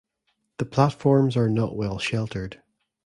The platforms are not well sheltered.